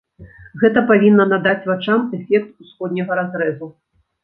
Гэта павінна надаць вачам эфект усходняга разрэзу.